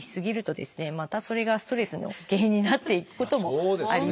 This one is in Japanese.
またそれがストレスの原因になっていくこともあります。